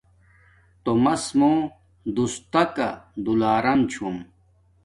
تومس مو دوس تکا دولارم چھوم